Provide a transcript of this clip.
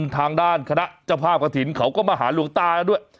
ทางด้านคณะที่เจ้าภาพขถิรินเขาก็มาหาหลวงตาด้วย